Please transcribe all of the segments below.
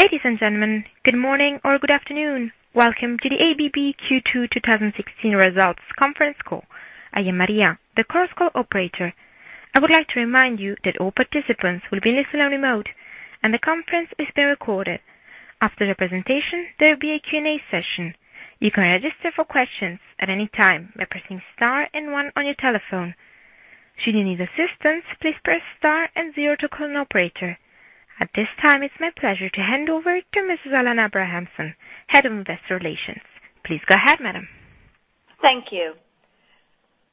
Ladies and gentlemen, good morning or good afternoon. Welcome to the ABB Q2 2016 results conference call. I am Maria, the conference call operator. I would like to remind you that all participants will be listening remote, the conference is being recorded. After the presentation, there will be a Q&A session. You can register for questions at any time by pressing star and one on your telephone. Should you need assistance, please press star and zero to call an operator. At this time, it's my pleasure to hand over to Mrs. Alanna Abrahamson, Head of Investor Relations. Please go ahead, madam. Thank you.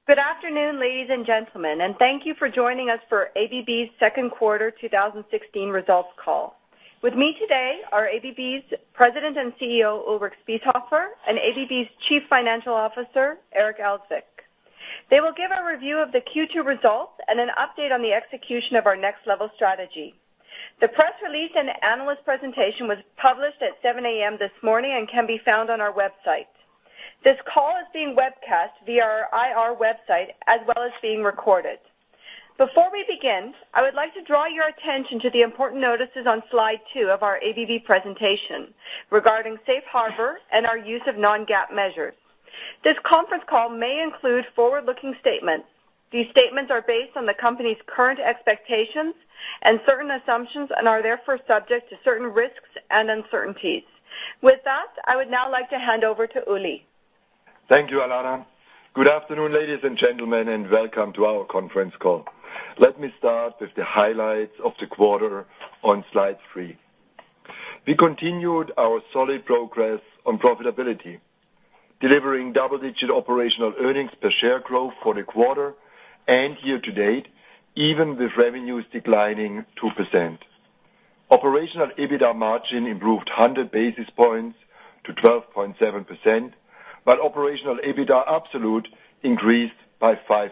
Good afternoon, ladies and gentlemen, thank you for joining us for ABB's second quarter 2016 results call. With me today are ABB's President and CEO, Ulrich Spiesshofer, ABB's Chief Financial Officer, Eric Elzvik. They will give a review of the Q2 results an update on the execution of our Next Level strategy. The press release analyst presentation was published at 7:00 A.M. this morning can be found on our website. This call is being webcast via our IR website, as well as being recorded. Before we begin, I would like to draw your attention to the important notices on slide two of our ABB presentation regarding Safe Harbor our use of non-GAAP measures. This conference call may include forward-looking statements. These statements are based on the company's current expectations certain assumptions, are therefore subject to certain risks uncertainties. With that, I would now like to hand over to Uli. Thank you, Alanna. Good afternoon, ladies and gentlemen, welcome to our conference call. Let me start with the highlights of the quarter on slide three. We continued our solid progress on profitability, delivering double-digit operational earnings per share growth for the quarter year-to-date, even with revenues declining 2%. Operational EBITA margin improved 100 basis points to 12.7%, operational EBITA absolute increased by 5%.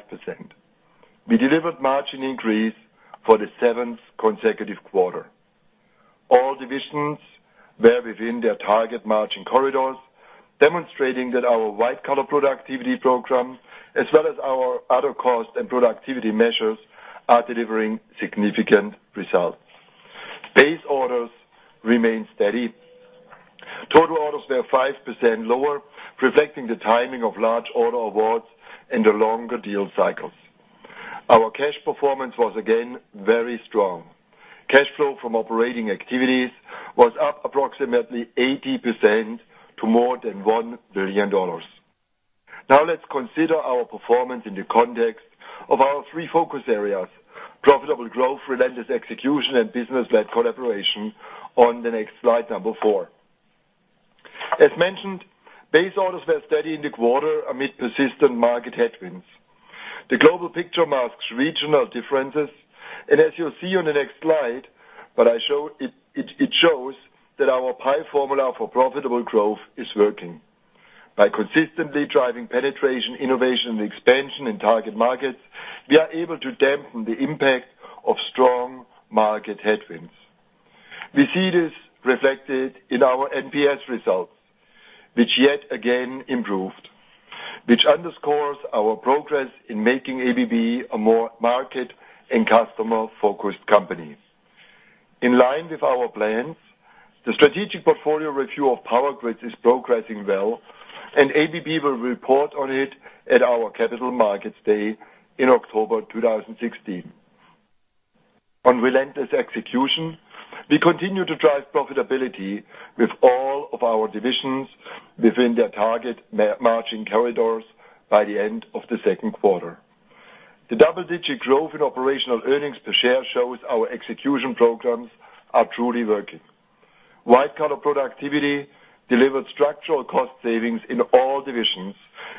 We delivered margin increase for the seventh consecutive quarter. All divisions were within their target margin corridors, demonstrating that our white-collar productivity program, as well as our other cost productivity measures, are delivering significant results. Base orders remained steady. Total orders were 5% lower, reflecting the timing of large order awards the longer deal cycles. Our cash performance was again very strong. Cash flow from operating activities was up approximately 80% to more than $1 billion. Now let's consider our performance in the context of our three focus areas: profitable growth, relentless execution, and business-led collaboration on the next slide, number four. As mentioned, base orders were steady in the quarter amid persistent market headwinds. The global picture masks regional differences, and as you'll see on the next slide, it shows that our PIE formula for profitable growth is working. By consistently driving penetration, innovation, and expansion in target markets, we are able to dampen the impact of strong market headwinds. We see this reflected in our NPS results, which yet again improved, which underscores our progress in making ABB a more market and customer-focused company. In line with our plans, the strategic portfolio review of Power Grids is progressing well, and ABB will report on it at our Capital Markets Day in October 2016. On relentless execution, we continue to drive profitability with all of our divisions within their target margin corridors by the end of the second quarter. The double-digit growth in operational earnings per share shows our execution programs are truly working. White-collar productivity delivered structural cost savings in all divisions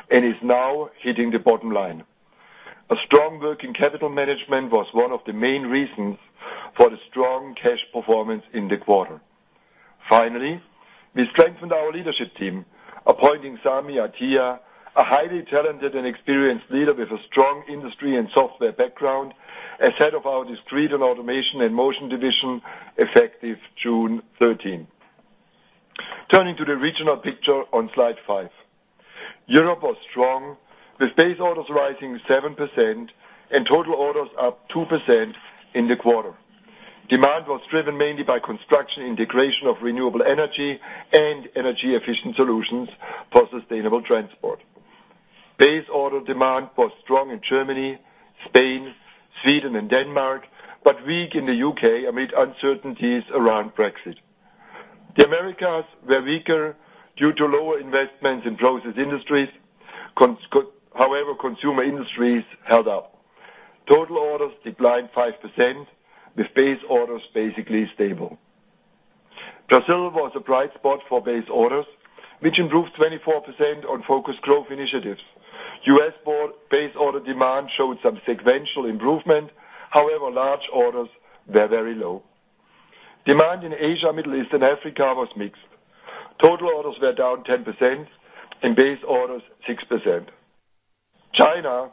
and is now hitting the bottom line. A strong working capital management was one of the main reasons for the strong cash performance in the quarter. Finally, we strengthened our leadership team, appointing Sami Atiya, a highly talented and experienced leader with a strong industry and software background as head of our Discrete Automation and Motion division effective June 13th. Turning to the regional picture on slide five. Europe was strong, with base orders rising 7% and total orders up 2% in the quarter. Demand was driven mainly by construction, integration of renewable energy, and energy-efficient solutions for sustainable transport. Base order demand was strong in Germany, Spain, Sweden, and Denmark, but weak in the U.K. amid uncertainties around Brexit. The Americas were weaker due to lower investments in process industries. However, consumer industries held up. Total orders declined 5%, with base orders basically stable. Brazil was a bright spot for base orders, which improved 24% on focused growth initiatives. U.S. base order demand showed some sequential improvement. However, large orders were very low. Demand in Asia, Middle East, and Africa was mixed. Total orders were down 10% and base orders 6%. China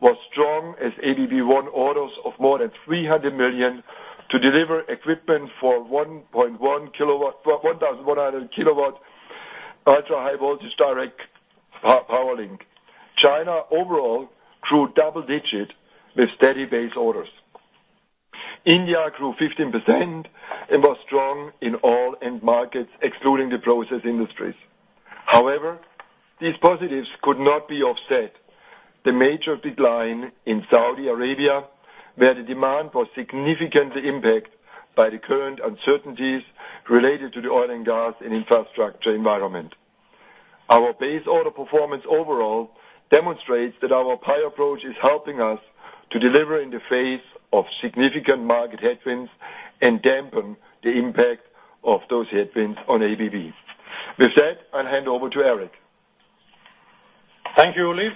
was strong as ABB won orders of more than $300 million to deliver equipment for 1,100 kilovolt Ultra high voltage direct power link. China overall grew double digit with steady base orders. India grew 15% and was strong in all end markets, excluding the process industries. However, these positives could not be offset. The major decline in Saudi Arabia, where the demand was significantly impact by the current uncertainties related to the oil and gas and infrastructure environment. Our base order performance overall demonstrates that our PIE approach is helping us to deliver in the face of significant market headwinds and dampen the impact of those headwinds on ABB. With that, I'll hand over to Eric. Thank you, Uli.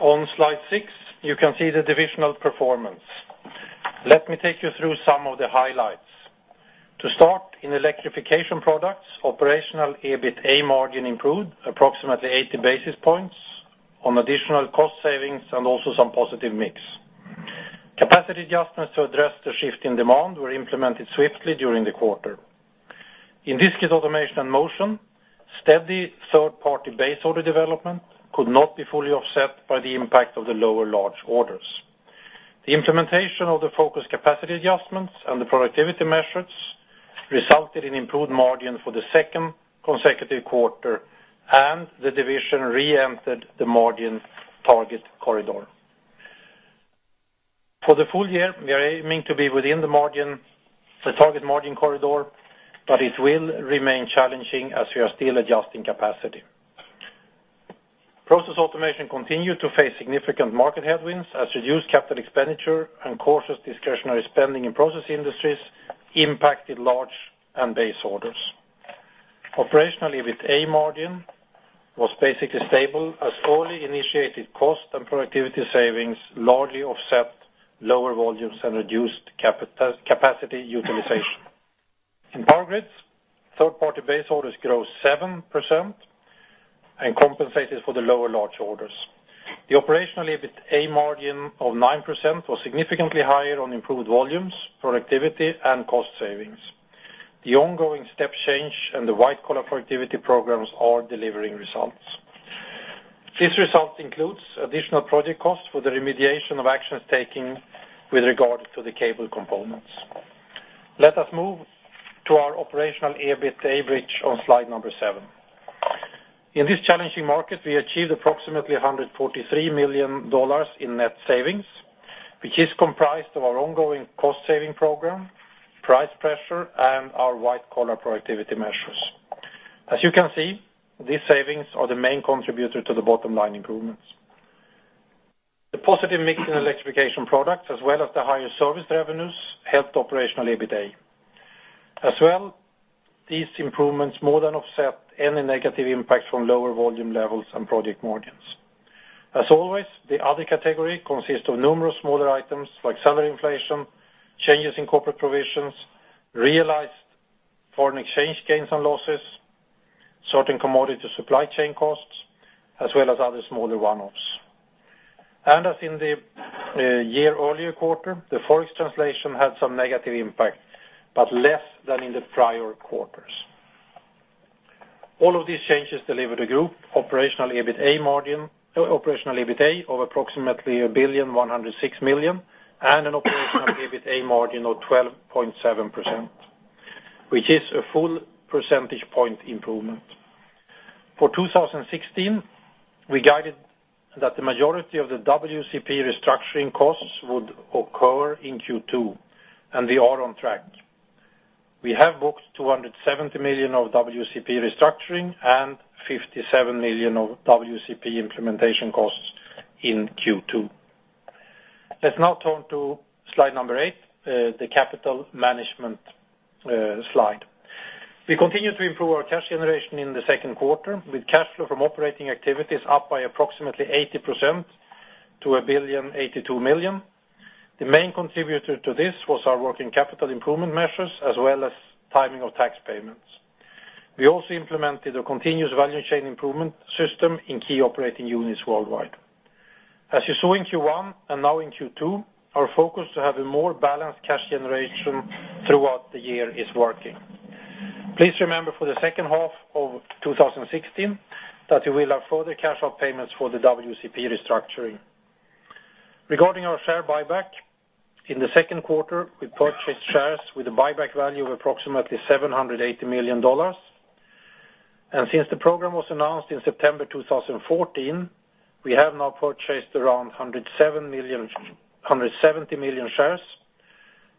On slide six, you can see the divisional performance. Let me take you through some of the highlights. To start, in Electrification Products, operational EBITA margin improved approximately 80 basis points on additional cost savings and also some positive mix. Capacity adjustments to address the shift in demand were implemented swiftly during the quarter. In Discrete Automation and Motion, steady third-party base order development could not be fully offset by the impact of the lower large orders. The implementation of the focused capacity adjustments and the productivity measures resulted in improved margin for the second consecutive quarter, and the division re-entered the margin target corridor. For the full year, we are aiming to be within the target margin corridor, but it will remain challenging as we are still adjusting capacity. Process Automation continued to face significant market headwinds as reduced capital expenditure and cautious discretionary spending in process industries impacted large and base orders. Operationally, EBITA margin was basically stable, as only initiated cost and productivity savings largely offset lower volumes and reduced capacity utilization. In Power Grids, third-party base orders grew 7% and compensated for the lower large orders. The operational EBITA margin of 9% was significantly higher on improved volumes, productivity, and cost savings. The ongoing step change and the white-collar productivity programs are delivering results. This result includes additional project costs for the remediation of actions taken with regard to the cable components. Let us move to our operational EBITA bridge on slide number seven. In this challenging market, we achieved approximately $143 million in net savings, which is comprised of our ongoing cost-saving program, price pressure, and our white-collar productivity measures. You can see, these savings are the main contributor to the bottom-line improvements. The positive mix in Electrification Products, as well as the higher service revenues, helped operational EBITA. These improvements more than offset any negative impact from lower volume levels and project margins. Always, the other category consists of numerous smaller items like salary inflation, changes in corporate provisions, realized foreign exchange gains and losses, certain commodity supply chain costs, as well as other smaller one-offs. As in the year earlier quarter, the Forex translation had some negative impact, but less than in the prior quarters. All of these changes delivered a group operational EBITA of approximately $1,106,000,000 and an operational EBITA margin of 12.7%, which is a full percentage point improvement. For 2016, we guided that the majority of the WCP restructuring costs would occur in Q2, and we are on track. We have booked $270 million of WCP restructuring and $57 million of WCP implementation costs in Q2. Turn to slide number eight, the capital management slide. We continue to improve our cash generation in the second quarter, with cash flow from operating activities up by approximately 80% to $1,082,000,000. The main contributor to this was our working capital improvement measures, as well as timing of tax payments. We also implemented a continuous value chain improvement system in key operating units worldwide. You saw in Q1 and now in Q2, our focus to have a more balanced cash generation throughout the year is working. Please remember for the second half of 2016 that we will have further cash out payments for the WCP restructuring. Regarding our share buyback, in the second quarter, we purchased shares with a buyback value of approximately $780 million. Since the program was announced in September 2014, we have now purchased around 170 million shares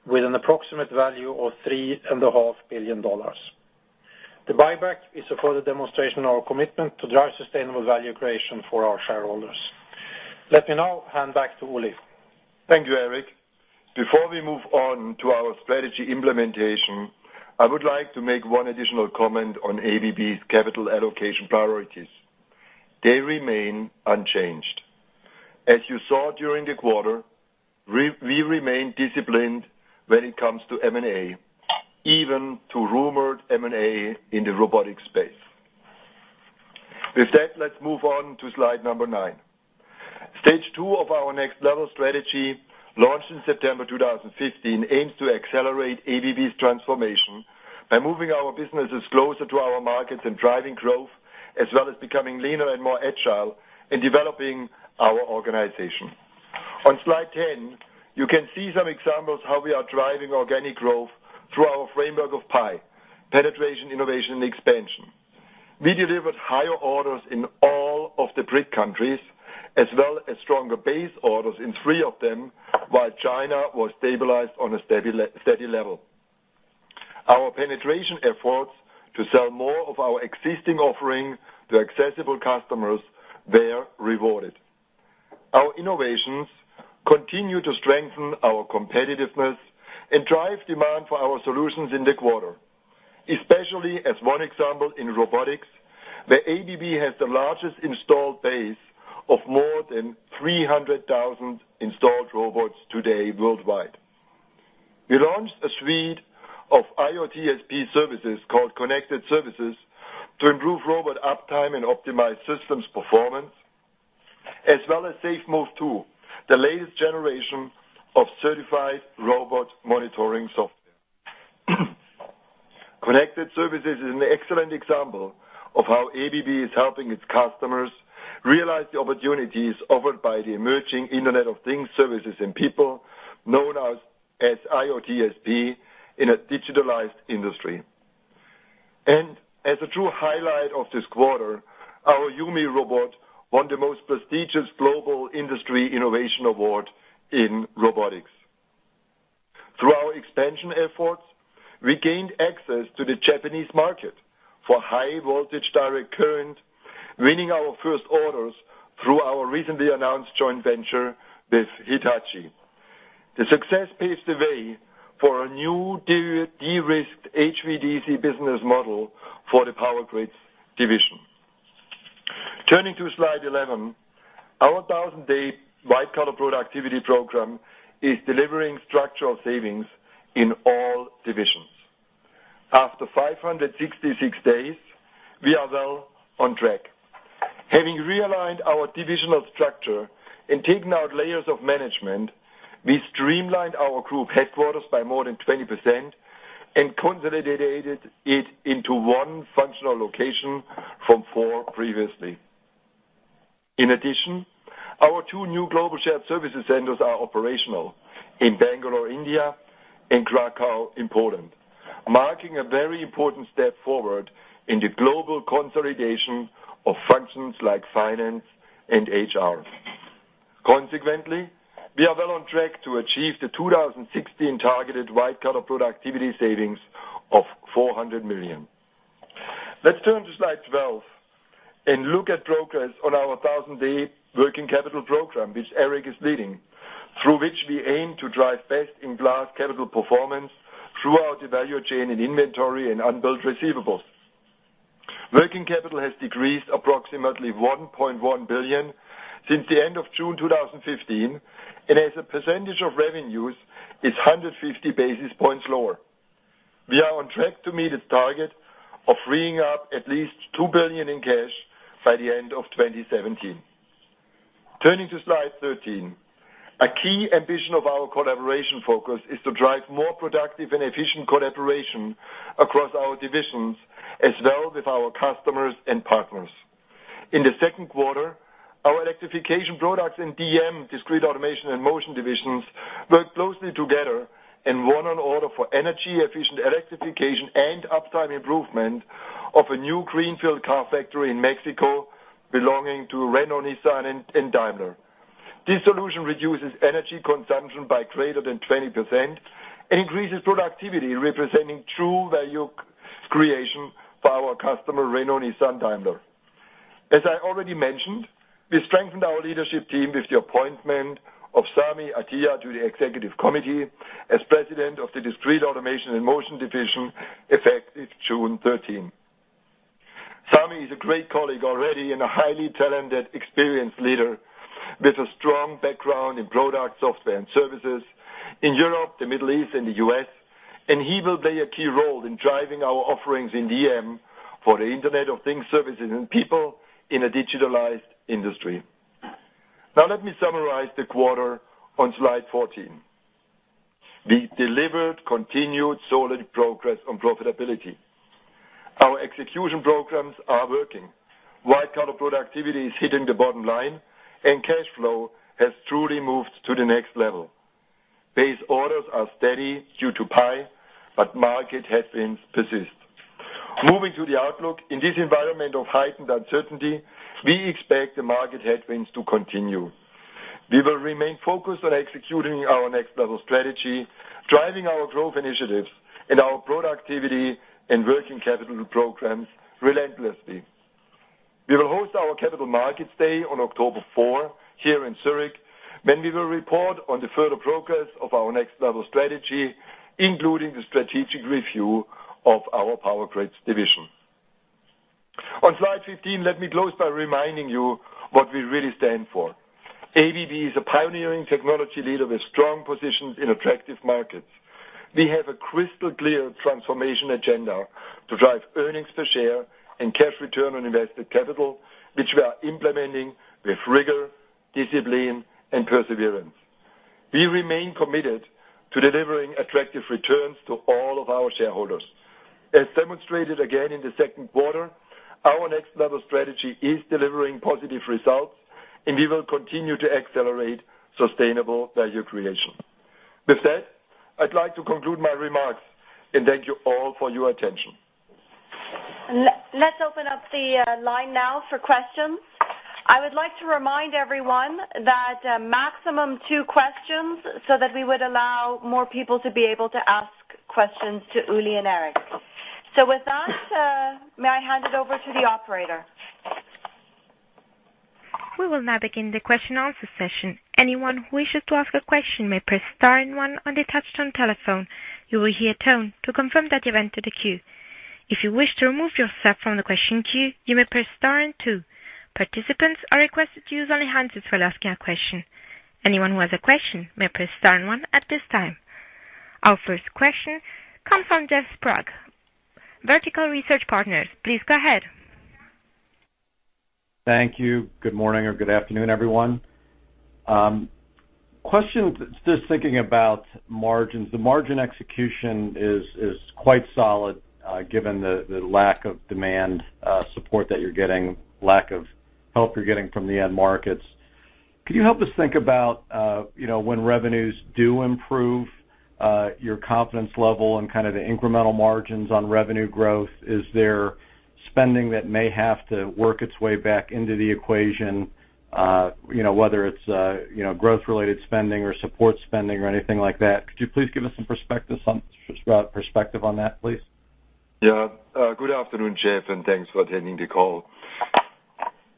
with an approximate value of $3.5 billion. The buyback is a further demonstration of our commitment to drive sustainable value creation for our shareholders. Let me now hand back to Uli. Thank you, Eric. Before we move on to our strategy implementation, I would like to make one additional comment on ABB's capital allocation priorities. They remain unchanged. As you saw during the quarter, we remain disciplined when it comes to M&A, even to rumored M&A in the robotic space. With that, let's move on to slide number nine. Stage 2 of our Next Level strategy, launched in September 2015, aims to accelerate ABB's transformation by moving our businesses closer to our markets and driving growth, as well as becoming leaner and more agile in developing our organization. On slide 10, you can see some examples how we are driving organic growth through our framework of PIE, penetration, innovation, and expansion. We delivered higher orders in all of the BRIC countries, as well as stronger base orders in three of them, while China was stabilized on a steady level. Our penetration efforts to sell more of our existing offerings to accessible customers bear rewarded. Our innovations continue to strengthen our competitiveness and drive demand for our solutions in the quarter. Especially as one example in robotics, where ABB has the largest installed base of more than 300,000 installed robots today worldwide. We launched a suite of IoTSP services called Connected Services to improve robot uptime and optimize systems performance, as well as SafeMove2, the latest generation of certified robot monitoring software. Connected Services is an excellent example of how ABB is helping its customers realize the opportunities offered by the emerging Internet of Things, Services, and People known as IoTSP in a digitalized industry. As a true highlight of this quarter, our YuMi robot won the most prestigious global industry innovation award in robotics. Through our expansion efforts, we gained access to the Japanese market for high voltage direct current, winning our first orders through our recently announced joint venture with Hitachi. The success paves the way for a new de-risked HVDC business model for the Power Grids division. Turning to slide 11. Our thousand-day white-collar productivity program is delivering structural savings in all divisions. After 566 days, we are well on track. Having realigned our divisional structure and taken out layers of management, we streamlined our group headquarters by more than 20% and consolidated it into one functional location from four previously. In addition, our two new global shared services centers are operational in Bangalore, India, and Kraków in Poland, marking a very important step forward in the global consolidation of functions like finance and HR. Consequently, we are well on track to achieve the 2016 targeted white-collar productivity savings of $400 million. Let's turn to slide 12 and look at progress on our 1,000-day working capital program, which Eric is leading, through which we aim to drive best-in-class capital performance throughout the value chain in inventory and unbilled receivables. Working capital has decreased approximately $1.1 billion since the end of June 2015, and as a percentage of revenues is 150 basis points lower. We are on track to meet its target of freeing up at least $2 billion in cash by the end of 2017. Turning to slide 13. A key ambition of our collaboration focus is to drive more productive and efficient collaboration across our divisions, as well with our customers and partners. In the second quarter, our Electrification Products and DM, Discrete Automation and Motion divisions, worked closely together and won an order for energy efficient electrification and uptime improvement of a new greenfield car factory in Mexico belonging to Renault, Nissan, and Daimler. This solution reduces energy consumption by greater than 20% and increases productivity, representing true value creation for our customer, Renault, Nissan, Daimler. As I already mentioned, we strengthened our leadership team with the appointment of Sami Atiya to the executive committee as president of the Discrete Automation and Motion division effective June 13. Sami is a great colleague already and a highly talented, experienced leader with a strong background in product, software, and services in Europe, the Middle East, and the U.S., and he will play a key role in driving our offerings in DM for the Internet of Things, Services, and People in a digitalized industry. Now let me summarize the quarter on slide 14. We delivered continued solid progress on profitability. Our execution programs are working. White-collar productivity is hitting the bottom line, and cash flow has truly moved to the Next Level. Base orders are steady due to PIE, but market headwinds persist. Moving to the outlook, in this environment of heightened uncertainty, we expect the market headwinds to continue. We will remain focused on executing our Next Level strategy, driving our growth initiatives and our productivity and working capital programs relentlessly. We will host our capital markets day on October 4 here in Zurich, when we will report on the further progress of our Next Level strategy, including the strategic review of our Power Grids division. On slide 15, let me close by reminding you what we really stand for. ABB is a pioneering technology leader with strong positions in attractive markets. We have a crystal clear transformation agenda to drive earnings per share and cash return on invested capital, which we are implementing with rigor, discipline, and perseverance. We remain committed to delivering attractive returns to all of our shareholders. As demonstrated again in the second quarter, our Next Level strategy is delivering positive results, and we will continue to accelerate sustainable value creation. With that, I'd like to conclude my remarks and thank you all for your attention. Let's open up the line now for questions. I would like to remind everyone that maximum two questions so that we would allow more people to be able to ask questions to Uli and Eric. With that, may I hand it over to the operator? We will now begin the question answer session. Anyone who wishes to ask a question may press star and one on the touch-tone telephone. You will hear a tone to confirm that you've entered the queue. If you wish to remove yourself from the question queue, you may press star and two. Participants are requested to use only hands for asking a question. Anyone who has a question may press star and one at this time. Our first question comes from Jeff Sprague, Vertical Research Partners. Please go ahead. Thank you. Good morning or good afternoon, everyone. Question, just thinking about margins. The margin execution is quite solid, given the lack of demand support that you're getting, lack of help you're getting from the end markets. Could you help us think about when revenues do improve, your confidence level and the incremental margins on revenue growth? Is there spending that may have to work its way back into the equation? Whether it's growth-related spending or support spending or anything like that, could you please give us some perspective on that, please? Yeah. Good afternoon, Jeff, and thanks for attending the call.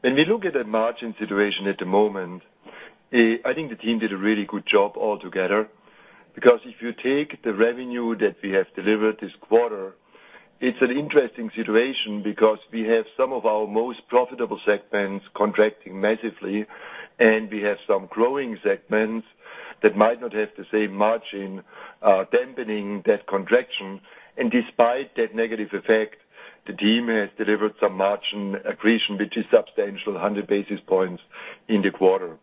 When we look at the margin situation at the moment, I think the team did a really good job altogether, because if you take the revenue that we have delivered this quarter, it's an interesting situation because we have some of our most profitable segments contracting massively, and we have some growing segments that might not have the same margin dampening that contraction. Despite that negative effect, the team has delivered some margin accretion, which is substantial, 100 basis points in the quarter.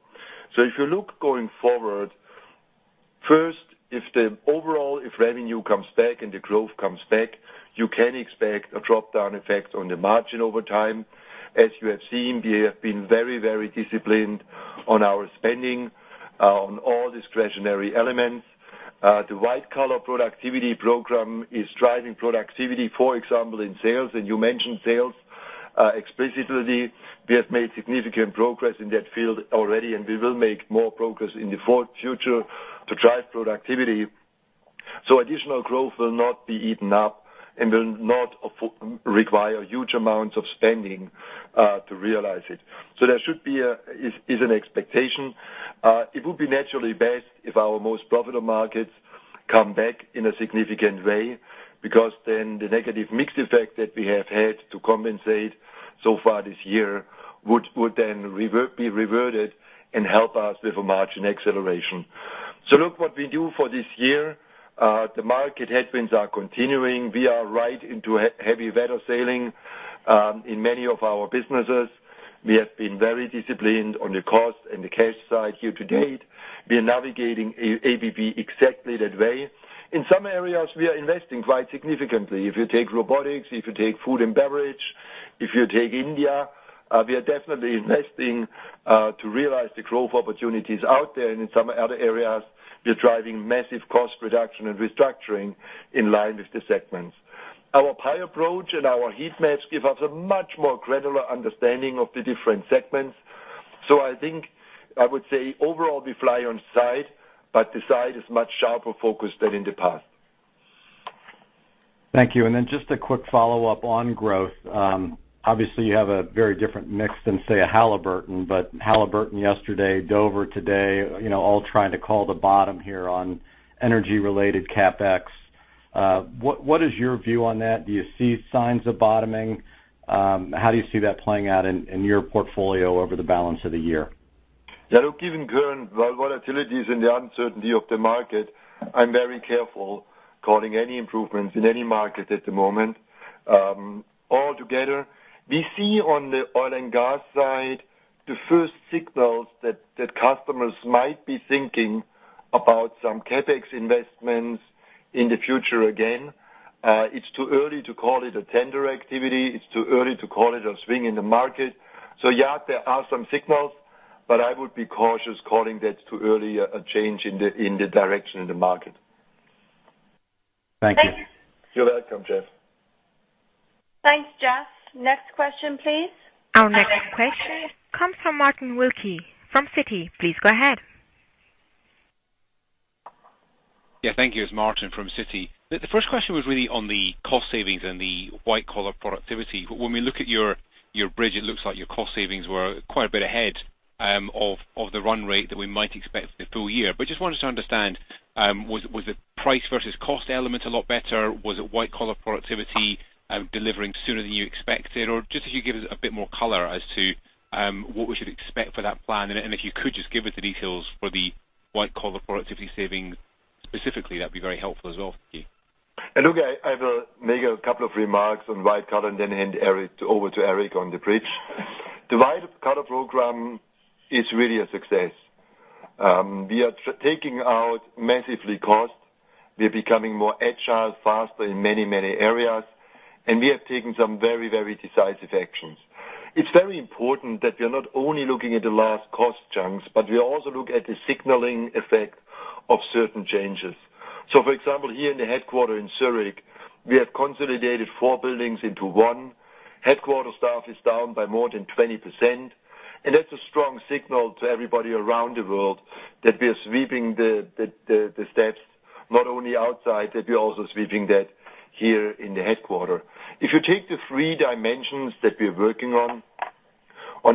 If you look going forward, first, if the overall revenue comes back and the growth comes back, you can expect a drop-down effect on the margin over time. As you have seen, we have been very disciplined on our spending on all discretionary elements. The white-collar productivity program is driving productivity, for example, in sales, and you mentioned sales explicitly. We have made significant progress in that field already, and we will make more progress in the future to drive productivity. Additional growth will not be eaten up and will not require huge amounts of spending to realize it. There is an expectation. It would be naturally best if our most profitable markets come back in a significant way because then the negative mix effect that we have had to compensate so far this year would then be reverted and help us with a margin acceleration. Look what we do for this year. The market headwinds are continuing. We are right into heavy weather sailing in many of our businesses. We have been very disciplined on the cost and the cash side here to date. We are navigating ABB exactly that way. In some areas, we are investing quite significantly. If you take robotics, if you take food and beverage, if you take India, we are definitely investing to realize the growth opportunities out there, and in some other areas, we are driving massive cost reduction and restructuring in line with the segments. Our PIE approach and our heat maps give us a much more granular understanding of the different segments. I think I would say overall, we fly on the side, but the side is much sharper focused than in the past. Thank you. Just a quick follow-up on growth. Obviously, you have a very different mix than, say, a Halliburton, but Halliburton yesterday, Dover today, all trying to call the bottom here on energy-related CapEx. What is your view on that? Do you see signs of bottoming? How do you see that playing out in your portfolio over the balance of the year? Look, given current volatilities and the uncertainty of the market, I'm very careful calling any improvements in any market at the moment. Altogether, we see on the oil and gas side the first signals that customers might be thinking about some CapEx investments in the future again. It's too early to call it a tender activity. It's too early to call it a swing in the market. There are some signals, but I would be cautious calling that too early a change in the direction of the market. Thank you. You're welcome, Jeff. Thanks, Jeff. Next question, please. Our next question comes from Martin Wilkie from Citi. Please go ahead. Thank you. It's Martin from Citi. The first question was really on the cost savings and the white-collar productivity. When we look at your bridge, it looks like your cost savings were quite a bit ahead of the run rate that we might expect for the full year. Just wanted to understand, was the price versus cost element a lot better? Was it white-collar productivity delivering sooner than you expected? If you give us a bit more color as to what we should expect for that plan, and if you could just give us the details for the white-collar productivity savings specifically, that would be very helpful as well, thank you. Look, I will make a couple of remarks on white collar and then hand over to Eric on the bridge. The white collar program is really a success. We are taking out massively cost. We are becoming more agile faster in many areas. We are taking some very decisive actions. It is very important that we are not only looking at the last cost chunks, but we also look at the signaling effect of certain changes. For example, here in the headquarter in Zurich, we have consolidated four buildings into one. Headquarter staff is down by more than 20%, and that is a strong signal to everybody around the world that we are sweeping the steps, not only outside, that we are also sweeping that here in the headquarter. If you take the three dimensions that we are working on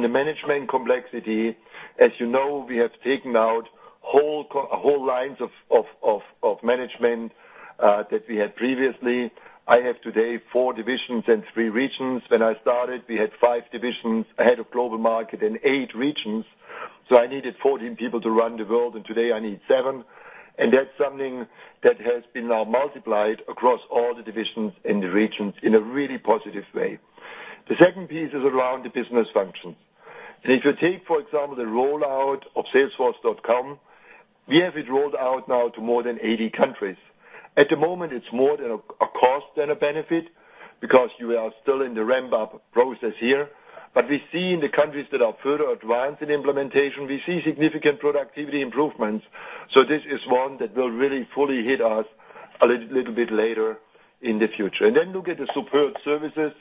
the management complexity, as you know, we have taken out whole lines of management that we had previously. I have today four divisions and three regions. When I started, we had five divisions. I head a global market and eight regions, so I needed 14 people to run the world, and today I need seven. That is something that has been now multiplied across all the divisions in the regions in a really positive way. The second piece is around the business functions. If you take, for example, the rollout of salesforce.com, we have it rolled out now to more than 80 countries. At the moment, it is more than a cost than a benefit, because we are still in the ramp-up process here. We see in the countries that are further advanced in implementation, we see significant productivity improvements. This is one that will really fully hit us a little bit later in the future. Then look at the support services.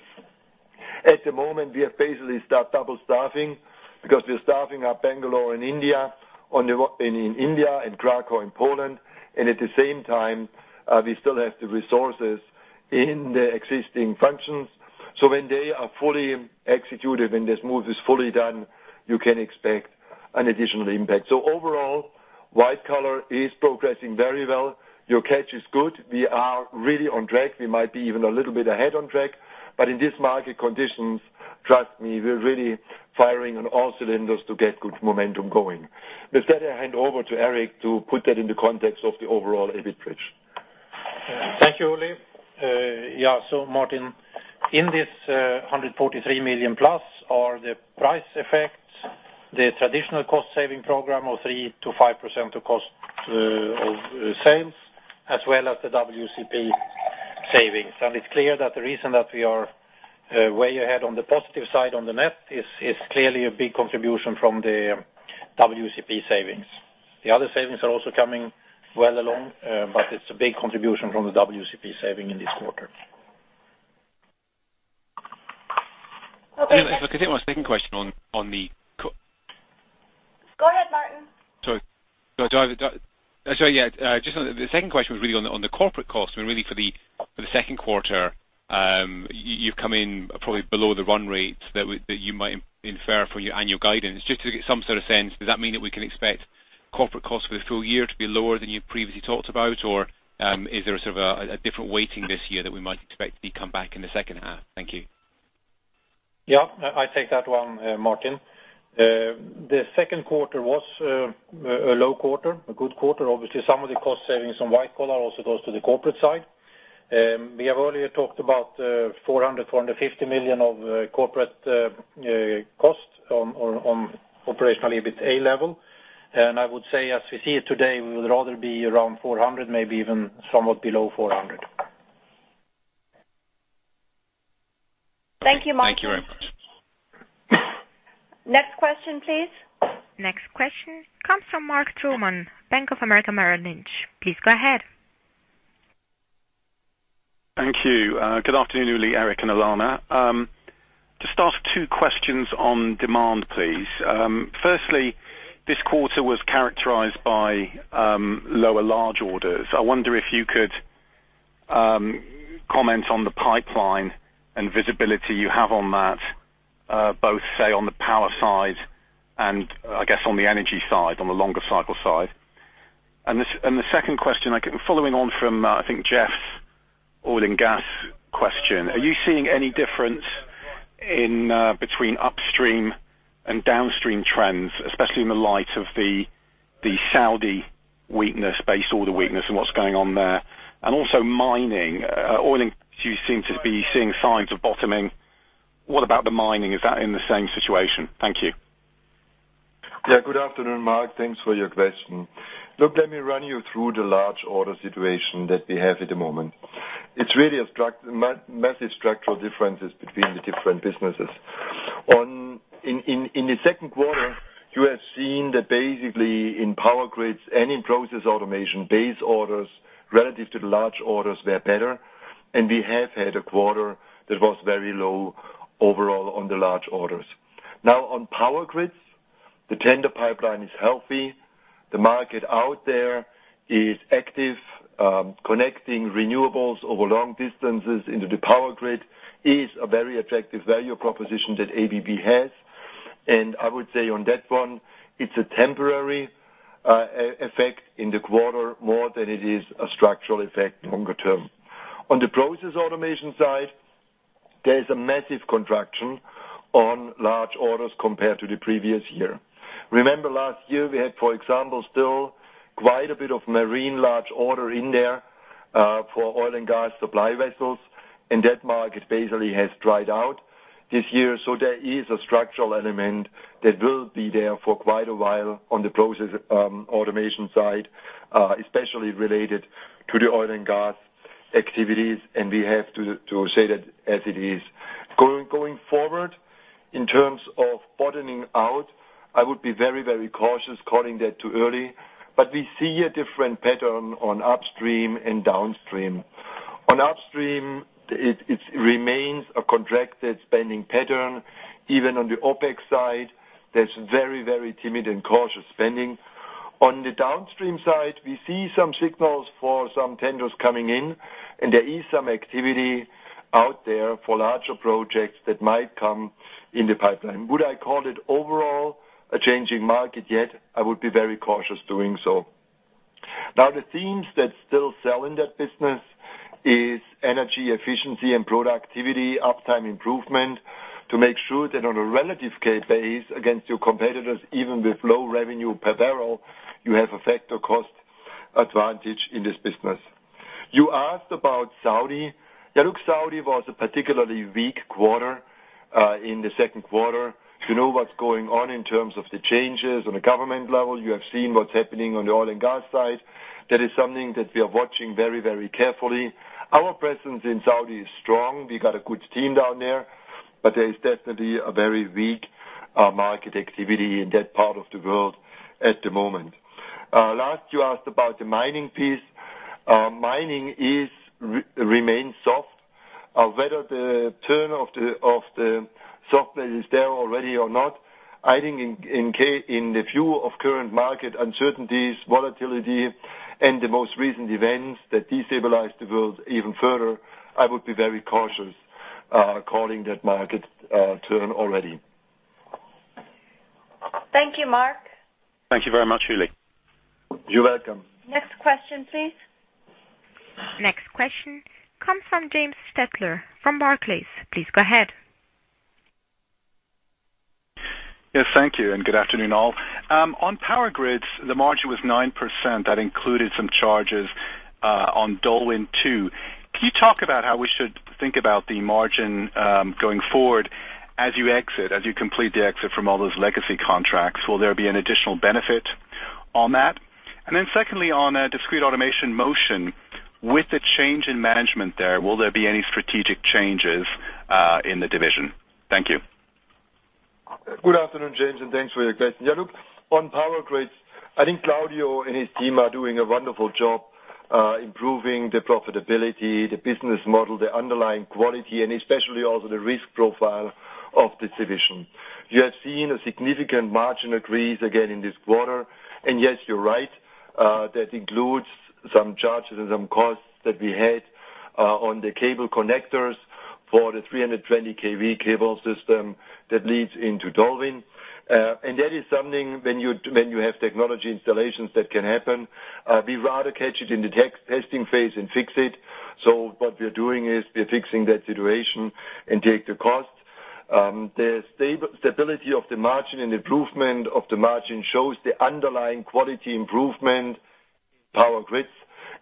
At the moment, we have basically start double staffing because we are staffing up Bangalore in India and Krakow in Poland, and at the same time, we still have the resources in the existing functions. When they are fully executed and this move is fully done, you can expect an additional impact. Overall, white collar is progressing very well. Your catch is good. We are really on track. We might be even a little bit ahead on track, but in these market conditions, trust me, we are really firing on all cylinders to get good momentum going. With that, I hand over to Eric to put that in the context of the overall EBIT bridge. Thank you, Uli. Yeah, Martin, in this $143 million plus or the price effects, the traditional cost saving program of 3%-5% of cost of sales, as well as the WCP savings. It's clear that the reason that we are way ahead on the positive side on the net is clearly a big contribution from the WCP savings. The other savings are also coming well along, but it's a big contribution from the WCP saving in this quarter. Okay. If I could take my second question on the. Go ahead, Martin. Sorry. The second question was really on the corporate cost, really for the second quarter, you've come in probably below the run rate that you might infer for your annual guidance. Just to get some sort of sense, does that mean that we can expect corporate cost for the full year to be lower than you previously talked about? Is there a different weighting this year that we might expect to come back in the second half? Thank you. Yeah, I take that one, Martin. The second quarter was a low quarter, a good quarter. Obviously, some of the cost savings on white collar also goes to the corporate side. We have earlier talked about $400 million, $450 million of corporate cost on operational EBITA level. I would say, as we see it today, we would rather be around $400 million, maybe even somewhat below $400 million. Thank you, Martin. Thank you very much. Next question, please. Next question comes from Mark Troman, Bank of America Merrill Lynch. Please go ahead. Thank you. Good afternoon, Uli, Eric, and Alana. Just ask two questions on demand, please. Firstly, this quarter was characterized by lower large orders. I wonder if you could comment on the pipeline and visibility you have on that, both, say, on the power side and I guess on the energy side, on the longer cycle side. The second question, following on from I think Jeff's oil and gas question. Are you seeing any difference between upstream and downstream trends, especially in the light of the Saudi weakness, base oil the weakness and what's going on there? Also mining. Oil and gas you seem to be seeing signs of bottoming. What about the mining? Is that in the same situation? Thank you. Good afternoon, Mark. Thanks for your question. Look, let me run you through the large order situation that we have at the moment. It's really massive structural differences between the different businesses. In the second quarter, you have seen that basically in Power Grids and in Process Automation, base orders relative to the large orders were better, and we have had a quarter that was very low overall on the large orders. On Power Grids, the tender pipeline is healthy. The market out there is active. Connecting renewables over long distances into the power grid is a very attractive value proposition that ABB has. I would say on that one, it's a temporary effect in the quarter more than it is a structural effect longer term. On the Process Automation side. There is a massive contraction on large orders compared to the previous year. Remember last year we had, for example, still quite a bit of marine large order in there for oil and gas supply vessels, and that market basically has dried out this year. There is a structural element that will be there for quite a while on the Process Automation side, especially related to the oil and gas activities, and we have to say that as it is. Going forward, in terms of bottoming out, I would be very cautious calling that too early. We see a different pattern on upstream and downstream. On upstream, it remains a contracted spending pattern. Even on the OpEx side, there's very timid and cautious spending. On the downstream side, we see some signals for some tenders coming in, and there is some activity out there for larger projects that might come in the pipeline. Would I call it overall a changing market yet? I would be very cautious doing so. The themes that still sell in that business is energy efficiency and productivity, uptime improvement, to make sure that on a relative base against your competitors, even with low revenue per barrel, you have a factor cost advantage in this business. You asked about Saudi. Saudi was a particularly weak quarter in the second quarter. You know what's going on in terms of the changes on a government level. You have seen what's happening on the oil and gas side. That is something that we are watching very carefully. Our presence in Saudi is strong. We got a good team down there. There is definitely a very weak market activity in that part of the world at the moment. Last, you asked about the mining piece. Mining remains soft. Whether the turn of the software is there already or not, I think in the view of current market uncertainties, volatility, and the most recent events that destabilize the world even further, I would be very cautious calling that market turn already. Thank you, Mark. Thank you very much, Uli. You're welcome. Next question, please. Next question comes from James Stettler from Barclays. Please go ahead. Yes, thank you, good afternoon, all. On Power Grids, the margin was 9%. That included some charges on DolWin2. Can you talk about how we should think about the margin going forward as you complete the exit from all those legacy contracts? Will there be an additional benefit on that? Secondly, on Discrete Automation and Motion, with the change in management there, will there be any strategic changes in the division? Thank you. Good afternoon, James, thanks for your question. On Power Grids, I think Claudio and his team are doing a wonderful job improving the profitability, the business model, the underlying quality, especially also the risk profile of this division. You have seen a significant margin increase again in this quarter. Yes, you're right. That includes some charges and some costs that we had on the cable connectors for the 320 kV cable system that leads into DolWin. That is something when you have technology installations that can happen. We'd rather catch it in the testing phase and fix it. What we're doing is we're fixing that situation and take the cost. The stability of the margin and improvement of the margin shows the underlying quality improvement in Power Grids.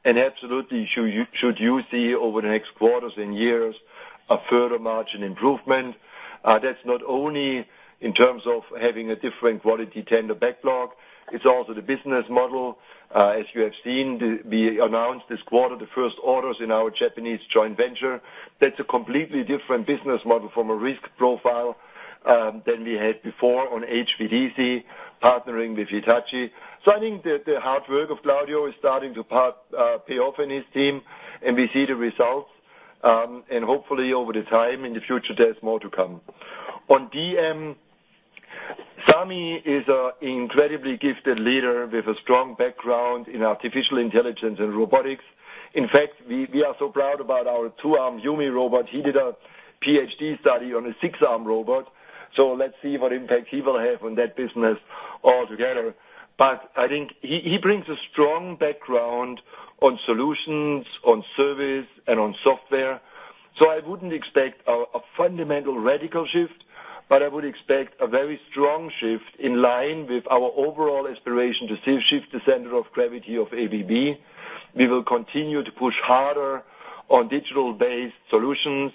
Absolutely, should you see over the next quarters and years a further margin improvement. That's not only in terms of having a different quality tender backlog, it's also the business model. As you have seen, we announced this quarter the first orders in our Japanese joint venture. That's a completely different business model from a risk profile than we had before on HVDC partnering with Hitachi. I think the hard work of Claudio is starting to pay off in his team, we see the results. Hopefully over time in the future, there's more to come. On DM, Sami is an incredibly gifted leader with a strong background in artificial intelligence and robotics. In fact, we are so proud about our two-armed YuMi robot. He did a PhD study on a six-armed robot. Let's see what impact he will have on that business altogether. I think he brings a strong background on solutions, on service, and on software. I wouldn't expect a fundamental radical shift, I would expect a very strong shift in line with our overall aspiration to shift the center of gravity of ABB. We will continue to push harder on digital-based solutions.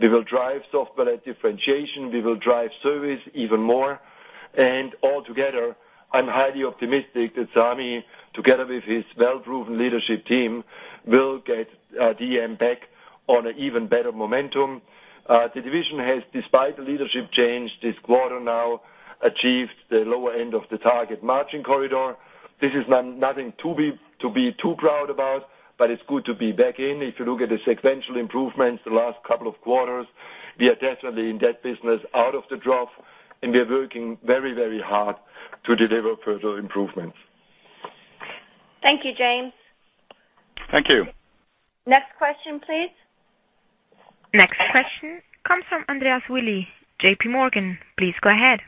We will drive software differentiation. We will drive service even more. Altogether, I'm highly optimistic that Sami, together with his well-proven leadership team, will get DM back on an even better momentum. The division has, despite the leadership change this quarter now, achieved the lower end of the target margin corridor. This is nothing to be too proud about, but it's good to be back in. If you look at the sequential improvements the last couple of quarters, we are definitely in that business out of the trough, and we're working very hard to deliver further improvements. Thank you, James. Thank you. Next question, please. Next question comes from Andreas Willi, JPMorgan. Please go ahead.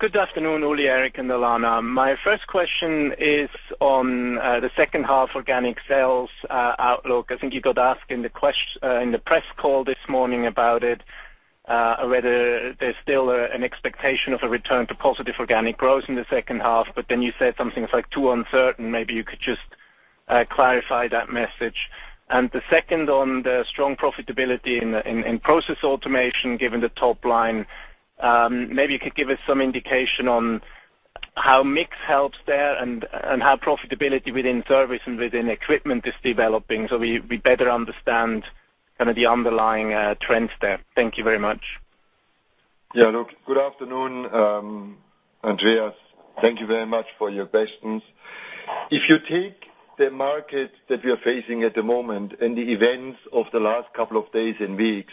Good afternoon, Ulrich, Eric, and Alana. My first question is on the second half organic sales outlook. I think you got asked in the press call this morning about it, whether there is still an expectation of a return to positive organic growth in the second half, but then you said something, it is too uncertain. Maybe you could just clarify that message. The second on the strong profitability in Process Automation, given the top line. Maybe you could give us some indication on how mix helps there and how profitability within service and within equipment is developing so we better understand the underlying trends there. Thank you very much. Look, good afternoon, Andreas. Thank you very much for your questions. If you take the market that we are facing at the moment and the events of the last couple of days and weeks.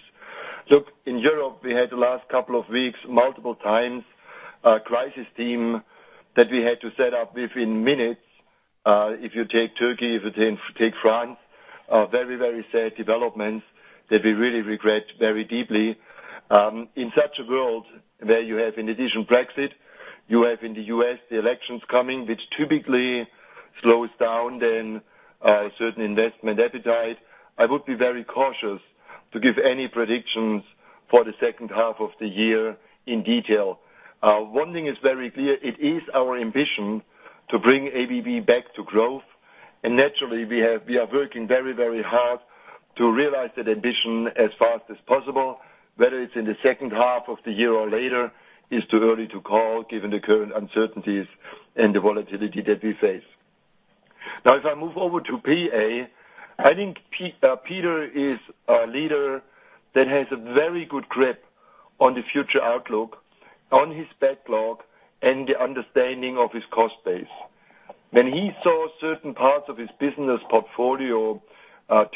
Look, in Europe, we had the last couple of weeks, multiple times, a crisis team that we had to set up within minutes. If you take Turkey, if you take France, very, very sad developments that we really regret very deeply. In such a world where you have, in addition, Brexit, you have in the U.S. the elections coming, which typically slows down then certain investment appetite. I would be very cautious to give any predictions for the second half of the year in detail. One thing is very clear, it is our ambition to bring ABB back to growth. Naturally, we are working very, very hard to realize that ambition as fast as possible. Whether it is in the second half of the year or later is too early to call, given the current uncertainties and the volatility that we face. If I move over to PA, I think Peter is a leader that has a very good grip on the future outlook, on his backlog, and the understanding of his cost base. When he saw certain parts of his business portfolio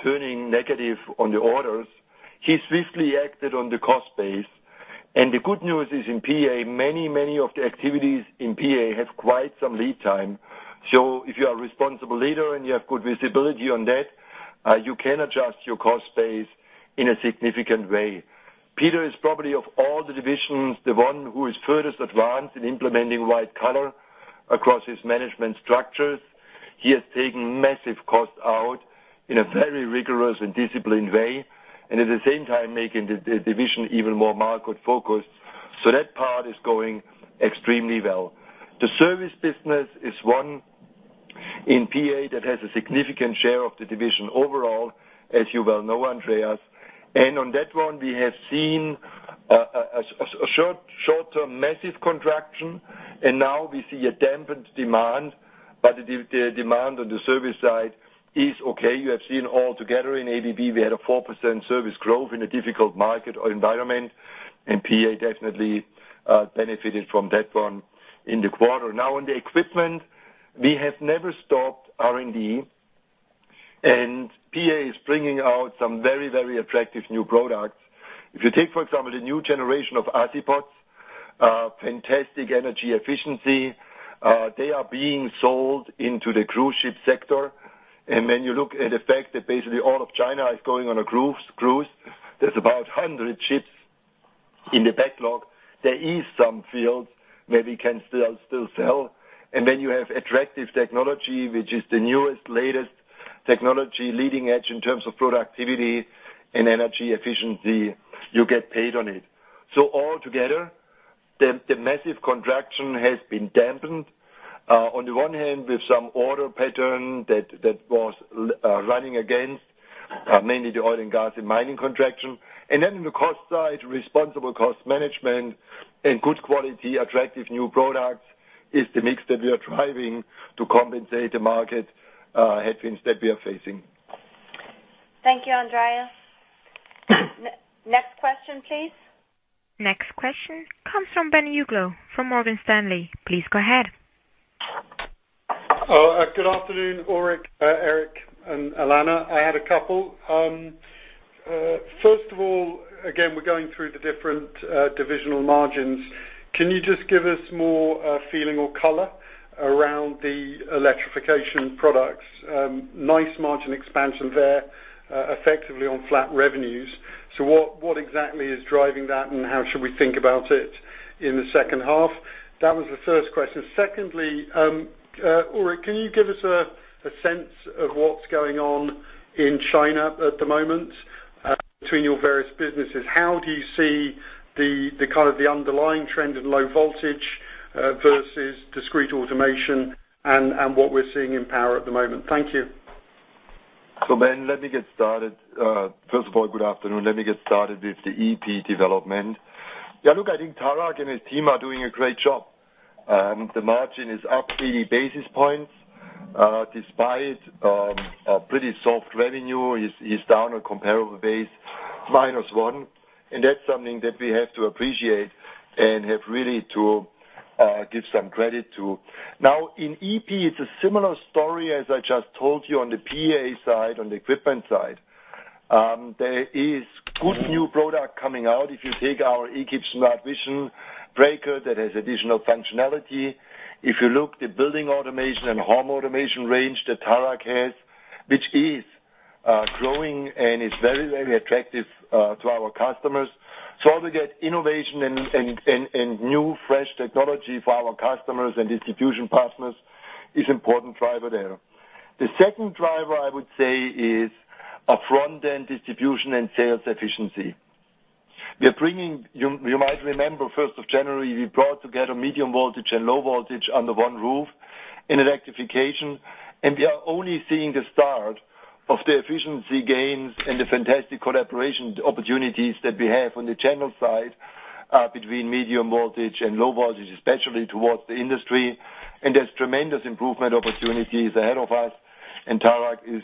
turning negative on the orders, he swiftly acted on the cost base. The good news is in PA, many of the activities in PA have quite some lead time. If you are a responsible leader and you have good visibility on that, you can adjust your cost base in a significant way. Peter is probably, of all the divisions, the one who is furthest advanced in implementing White Collar across his management structures. He has taken massive costs out in a very rigorous and disciplined way, and at the same time making the division even more market-focused. That part is going extremely well. The service business is one in PA that has a significant share of the division overall, as you well know, Andreas. On that one, we have seen a short-term massive contraction, and now we see a dampened demand, but the demand on the service side is okay. You have seen altogether in ABB, we had a 4% service growth in a difficult market or environment, and PA definitely benefited from that one in the quarter. On the equipment, we have never stopped R&D, and PA is bringing out some very, very attractive new products. If you take, for example, the new generation of Azipods, fantastic energy efficiency. They are being sold into the cruise ship sector. When you look at the fact that basically all of China is going on a cruise, there's about 100 ships in the backlog. There is some field where we can still sell. You have attractive technology, which is the newest, latest technology, leading edge in terms of productivity and energy efficiency, you get paid on it. Altogether, the massive contraction has been dampened. On the one hand, with some order pattern that was running against mainly the oil and gas and mining contraction. On the cost side, responsible cost management and good quality, attractive new products is the mix that we are driving to compensate the market headwinds that we are facing. Thank you, Andreas. Next question, please. Next question comes from Ben Uglow, from Morgan Stanley. Please go ahead. Good afternoon, Ulrich, Eric, and Alana. I had a couple. First of all, again, we're going through the different divisional margins. Can you just give us more feeling or color around the Electrification Products? Nice margin expansion there, effectively on flat revenues. What exactly is driving that, and how should we think about it in the second half? That was the first question. Secondly, Ulrich, can you give us a sense of what's going on in China at the moment between your various businesses? How do you see the underlying trend in low voltage versus Discrete Automation and what we're seeing in power at the moment? Thank you. Ben, let me get started. First of all, good afternoon. Let me get started with the EP development. Look, I think Tarak and his team are doing a great job. The margin is up 80 basis points. Despite a pretty soft revenue, he's down a comparable base minus one, and that's something that we have to appreciate and have really to give some credit to. In EP, it's a similar story as I just told you on the PA side, on the equipment side. There is good new product coming out. If you take our Ekip SmartVision breaker that has additional functionality. If you look the building automation and home automation range that Tarak has, which is growing and it's very, very attractive to our customers. Altogether, innovation and new fresh technology for our customers and distribution partners is important driver there. The second driver, I would say, is a front-end distribution and sales efficiency. You might remember, 1st of January, we brought together medium voltage and low voltage under one roof in Electrification, and we are only seeing the start of the efficiency gains and the fantastic collaboration opportunities that we have on the channel side between medium voltage and low voltage, especially towards the industry. There's tremendous improvement opportunities ahead of us, and Tarak is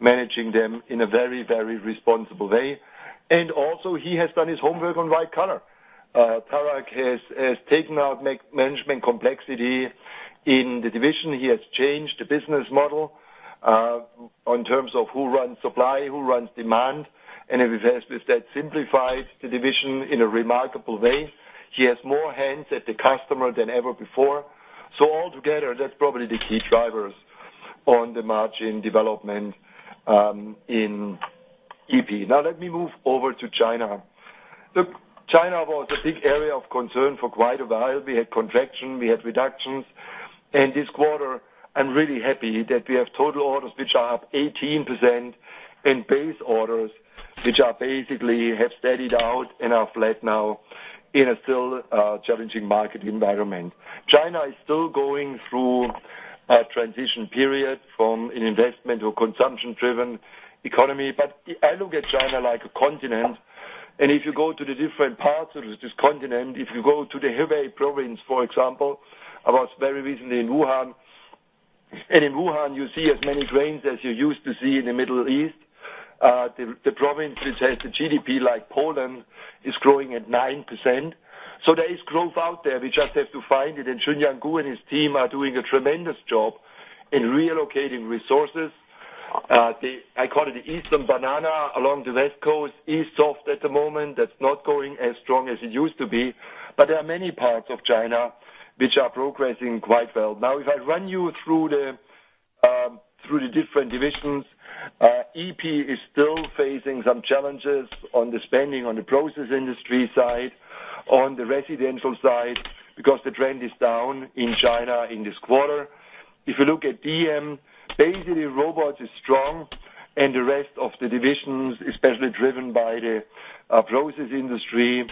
managing them in a very, very responsible way. Also he has done his homework on white collar. Tarak has taken out management complexity in the division. He has changed the business model, in terms of who runs supply, who runs demand. With that simplified the division in a remarkable way. He has more hands at the customer than ever before. Altogether, that's probably the key drivers on the margin development in EP. Now let me move over to China. China was a big area of concern for quite a while. We had contraction, we had reductions. This quarter, I'm really happy that we have total orders which are up 18% and base orders, which are basically have steadied out and are flat now in a still challenging market environment. China is still going through a transition period from an investment or consumption-driven economy. I look at China like a continent, and if you go to the different parts of this continent, if you go to the Hebei province, for example. I was very recently in Wuhan. In Wuhan you see as many cranes as you used to see in the Middle East. The province, which has the GDP like Poland, is growing at 9%. There is growth out there. We just have to find it. Chunyuan Gu and his team are doing a tremendous job in reallocating resources. I call it the eastern banana along the West Coast, east soft at the moment. That's not growing as strong as it used to be. There are many parts of China which are progressing quite well. Now, if I run you through the different divisions, EP is still facing some challenges on the spending on the process industry side, on the residential side, because the trend is down in China in this quarter. If you look at DM, basically robots is strong and the rest of the divisions, especially driven by the process industry,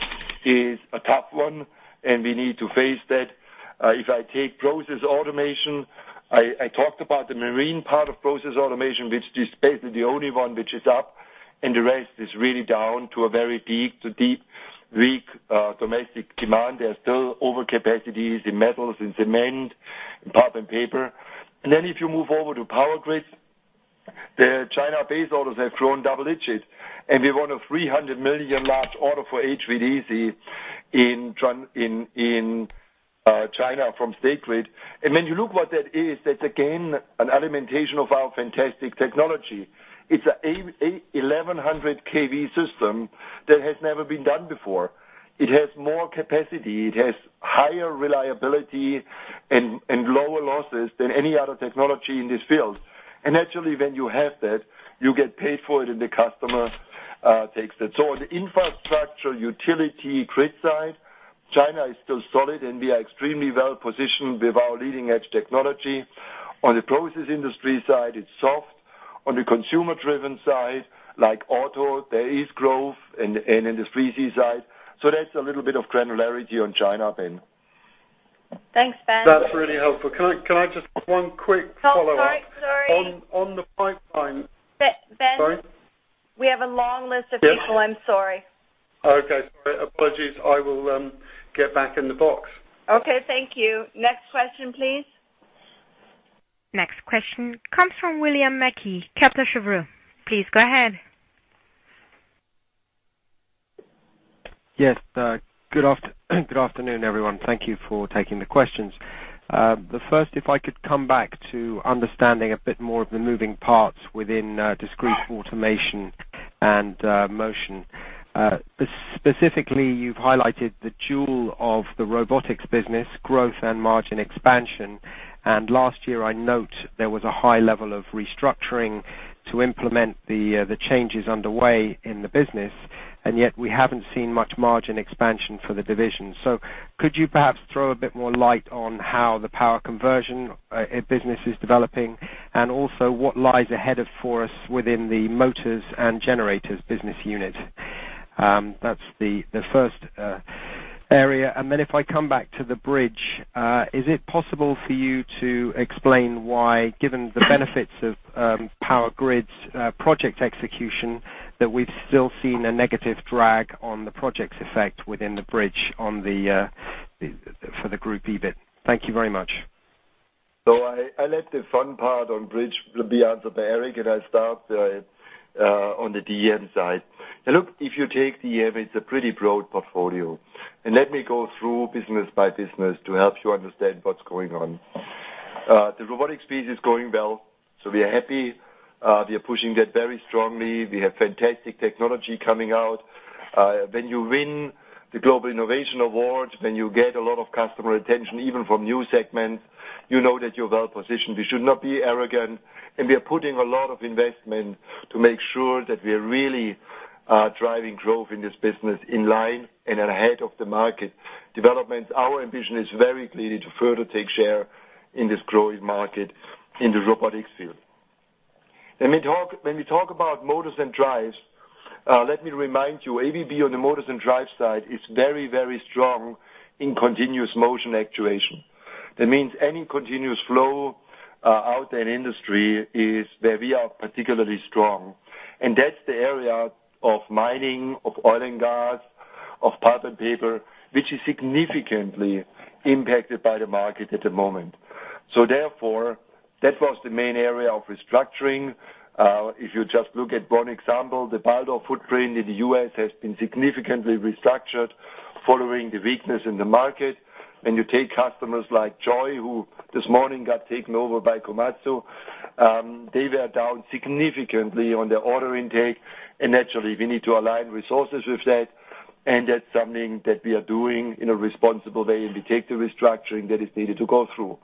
is a tough one, and we need to face that. If I take Process Automation, I talked about the marine part of Process Automation, which is basically the only one which is up, and the rest is really down to a very deep, weak domestic demand. There are still over capacities in metals and cement, in pulp and paper. Then if you move over to Power Grids, the China base orders have grown double digits, and we won a $300 million order for HVDC in China from State Grid. When you look what that is, that's again an implementation of our fantastic technology. It's a 1,100 kV system that has never been done before. It has more capacity, it has higher reliability and lower losses than any other technology in this field. Naturally, when you have that, you get paid for it and the customer takes that. On the infrastructure utility grid side, China is still solid, and we are extremely well positioned with our leading-edge technology. On the process industry side, it's soft. On the consumer-driven side, like auto, there is growth in the 3C side. That's a little bit of granularity on China, Ben. Thanks, Bernd. That's really helpful. Can I just one quick follow-up? Sorry. On the pipeline. Bernd. Sorry. We have a long list of people. Yes. I'm sorry. Okay. Sorry. Apologies. I will get back in the box. Okay. Thank you. Next question, please. Next question comes from William Mackie, Kepler Cheuvreux. Please go ahead. Yes. Good afternoon, everyone. Thank you for taking the questions. The first, if I could come back to understanding a bit more of the moving parts within Discrete Automation and Motion. Specifically, you've highlighted the jewel of the robotics business growth and margin expansion. Last year I note there was a high level of restructuring to implement the changes underway in the business, yet we haven't seen much margin expansion for the division. Could you perhaps throw a bit more light on how the power conversion business is developing, and also what lies ahead for us within the motors and generators business unit? That's the first area. If I come back to the bridge, is it possible for you to explain why, given the benefits of Power Grids project execution, that we've still seen a negative drag on the projects effect within the bridge for the Group EBIT? Thank you very much. I let the fun part on Bridge be answered by Eric, and I start on the DM side. Look, if you take DM, it's a pretty broad portfolio. Let me go through business by business to help you understand what's going on. The robotics piece is going well, so we are happy. We are pushing that very strongly. We have fantastic technology coming out. When you win the Global Innovation Award, when you get a lot of customer attention, even from new segments, you know that you're well-positioned. We should not be arrogant. We are putting a lot of investment to make sure that we are really driving growth in this business in line and ahead of the market developments. Our ambition is very clear to further take share in this growing market in the robotics field. When we talk about motors and drives, let me remind you, ABB on the motors and drive side is very strong in continuous motion actuation. That means any continuous flow out there in industry is where we are particularly strong. That's the area of mining, of oil and gas, of pulp and paper, which is significantly impacted by the market at the moment. Therefore, that was the main area of restructuring. If you just look at one example, the Baldor footprint in the U.S. has been significantly restructured following the weakness in the market. When you take customers like Joy, who this morning got taken over by Komatsu, they were down significantly on their order intake. Naturally, we need to align resources with that. That's something that we are doing in a responsible way, and we take the restructuring that is needed to go through.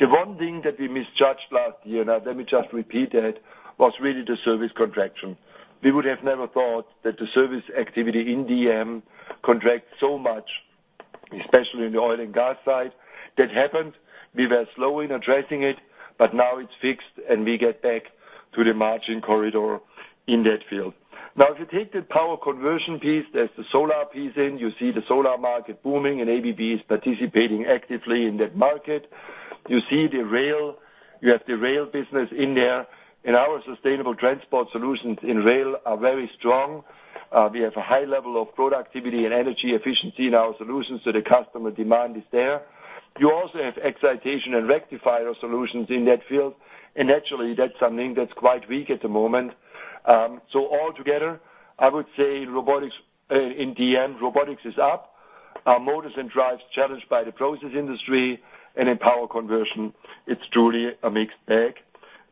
The one thing that we misjudged last year, let me just repeat that, was really the service contraction. We would have never thought that the service activity in DM contracts so much, especially in the oil and gas side. That happened. We were slow in addressing it, but now it's fixed, and we get back to the margin corridor in that field. If you take the power conversion piece, there's the solar piece in. You see the solar market booming, and ABB is participating actively in that market. You see the rail. You have the rail business in there. Our sustainable transport solutions in rail are very strong. We have a high level of productivity and energy efficiency in our solutions, so the customer demand is there. You also have excitation and rectifier solutions in that field. Naturally, that's something that's quite weak at the moment. Altogether, I would say robotics in DM, robotics is up. Motors and drives challenged by the process industry, and in power conversion, it's truly a mixed bag.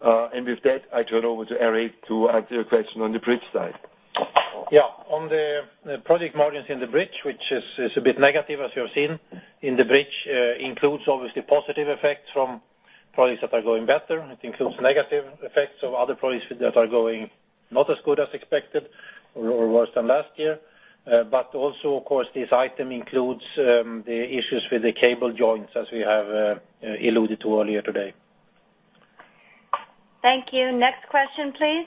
With that, I turn over to Eric to answer your question on the Bridge side. On the project margins in the Bridge, which is a bit negative as you have seen. In the Bridge includes obviously positive effects from projects that are going better. It includes negative effects of other projects that are going not as good as expected or worse than last year. Also, of course, this item includes the issues with the cable joints as we have alluded to earlier today. Thank you. Next question, please.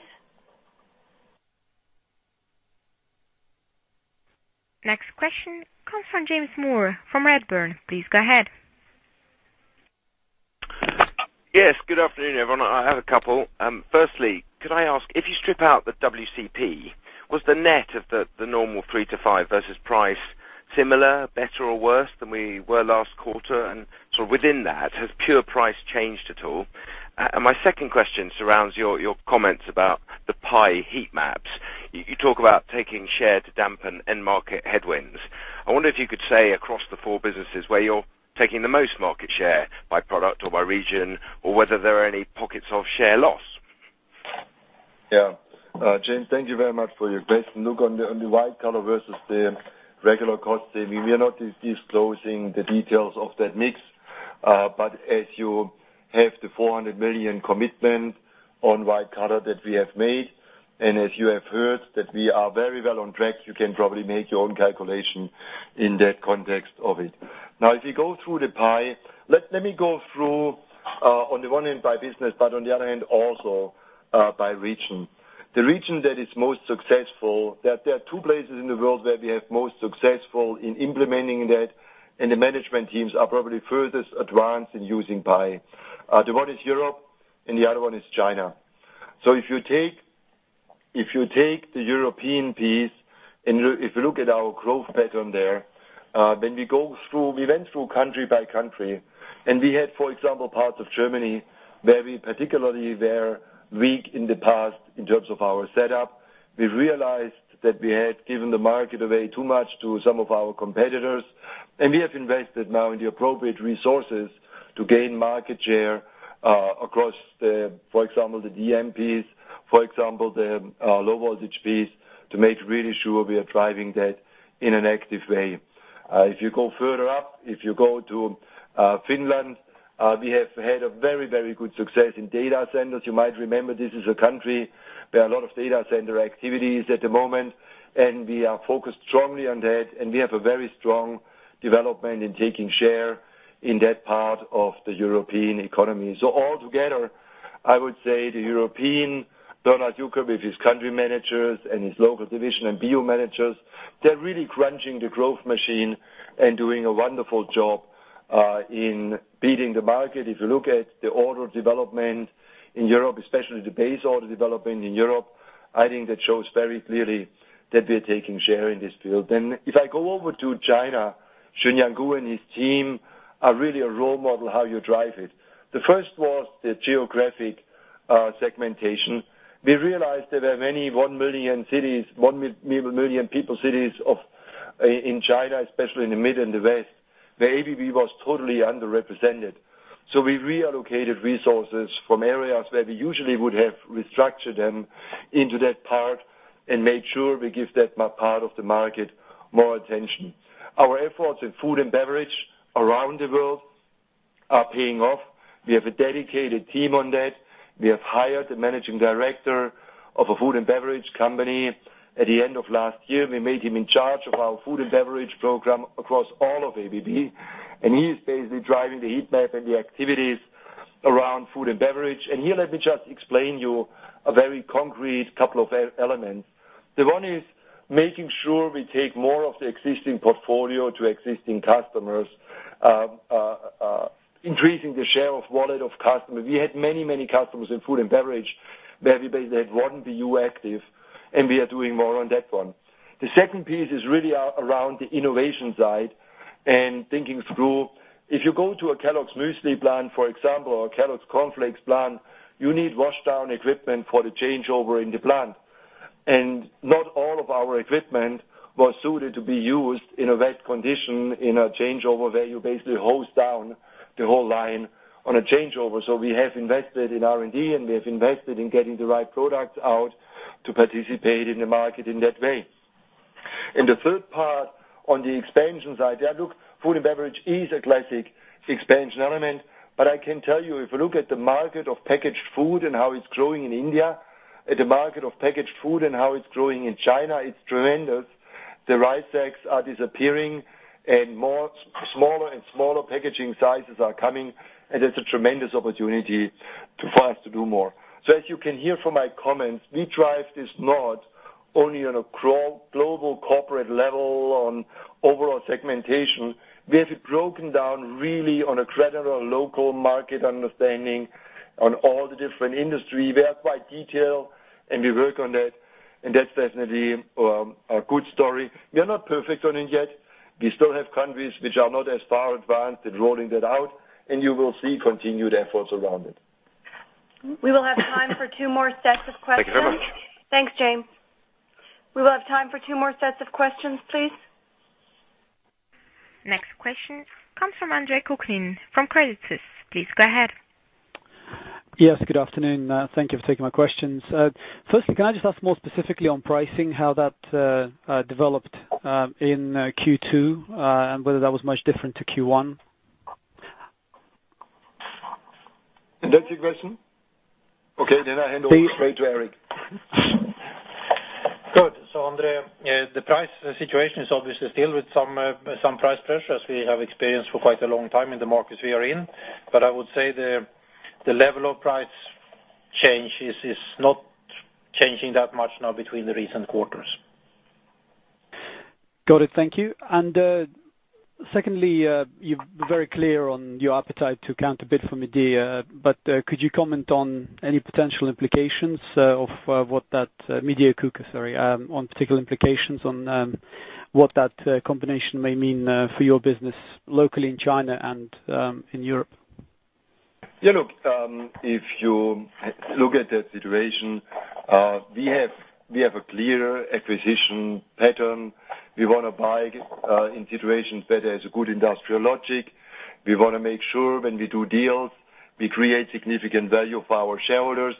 Next question comes from James Moore from Redburn. Please go ahead. Yes, good afternoon, everyone. I have a couple. Firstly, could I ask, if you strip out the WCP, was the net of the normal three to five versus price similar, better, or worse than we were last quarter? Within that, has pure price changed at all? My second question surrounds your comments about the PIE heat maps. You talk about taking share to dampen end market headwinds. I wonder if you could say across the four businesses where you're taking the most market share by product or by region, or whether there are any pockets of share loss. James, thank you very much for your question. Look on the white-collar versus the regular cost saving. We are not disclosing the details of that mix. As you have the $400 million commitment on white-collar that we have made, and as you have heard that we are very well on track, you can probably make your own calculation in that context of it. If you go through the PIE, let me go through, on the one hand by business, on the other hand also by region. The region that is most successful, there are two places in the world where we are most successful in implementing that, and the management teams are probably furthest advanced in using PIE. One is Europe and the other one is China. If you take the European piece, if you look at our growth pattern there, we went through country by country, we had, for example, parts of Germany, where we particularly were weak in the past in terms of our setup. We realized that we had given the market away too much to some of our competitors, and we have invested now in the appropriate resources to gain market share across the, for example, the DM piece, for example, the low voltage piece, to make really sure we are driving that in an active way. If you go further up, if you go to Finland, we have had a very good success in data centers. You might remember this is a country where a lot of data center activity is at the moment, and we are focused strongly on that, and we have a very strong development in taking share in that part of the European economy. Altogether, I would say the European, Bernhard Jucker, with his country managers and his local division and BU managers, they're really crunching the growth machine and doing a wonderful job in beating the market. If you look at the order development in Europe, especially the base order development in Europe, I think that shows very clearly that we're taking share in this field. If I go over to China, Chunyuan Gu and his team are really a role model how you drive it. The first was the geographic segmentation. We realized that there are many 1 million people cities in China, especially in the mid and the west, where ABB was totally underrepresented. We reallocated resources from areas where we usually would have restructured them into that part and made sure we give that part of the market more attention. Our efforts in food and beverage around the world are paying off. We have a dedicated team on that. We have hired a managing director of a food and beverage company. At the end of last year, we made him in charge of our food and beverage program across all of ABB, and he is basically driving the heat map and the activities around food and beverage. Here, let me just explain you a very concrete couple of elements. The one is making sure we take more of the existing portfolio to existing customers, increasing the share of wallet of customers. We had many customers in food and beverage where we basically had one BU active, and we are doing more on that one. The second piece is really around the innovation side and thinking through, if you go to a Kellogg's Muesli plant, for example, or a Kellogg's Cornflakes plant, you need wash down equipment for the changeover in the plant. Not all of our equipment was suited to be used in a wet condition in a changeover where you basically hose down the whole line on a changeover. We have invested in R&D, and we have invested in getting the right product out to participate in the market in that way. The third part on the expansion side, food and beverage is a classic expansion element, but I can tell you, if you look at the market of packaged food and how it's growing in India, at the market of packaged food and how it's growing in China, it's tremendous. The rice sacks are disappearing, and more smaller and smaller packaging sizes are coming, and there's a tremendous opportunity for us to do more. As you can hear from my comments, we drive this not only on a global corporate level on overall segmentation. We have it broken down really on a credible local market understanding on all the different industry. We are quite detailed, and we work on that, and that's definitely a good story. We are not perfect on it yet. We still have countries which are not as far advanced in rolling that out, and you will see continued efforts around it. We will have time for two more sets of questions. Thank you very much. Thanks, James. We will have time for two more sets of questions, please. Next question comes from Andre Kukhnin from Credit Suisse. Please go ahead. Yes, good afternoon. Thank you for taking my questions. Firstly, can I just ask more specifically on pricing how that developed in Q2, and whether that was much different to Q1? Is that your question? Okay, I hand over straight to Eric. Good. Andre, the price situation is obviously still with some price pressures we have experienced for quite a long time in the markets we are in. I would say the level of price change is not changing that much now between the recent quarters. Got it. Thank you. Secondly, you're very clear on your appetite to count a bit for Midea, could you comment on any potential implications of what that, Midea, sorry, on particular implications on what that combination may mean for your business locally in China and in Europe? Look, if you look at that situation, we have a clear acquisition pattern. We want to buy in situations where there's a good industrial logic. We want to make sure when we do deals, we create significant value for our shareholders.